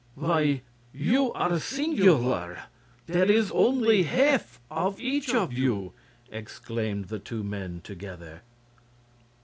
"Why you are singular! There is only half of each of you!" exclaimed the two men, together.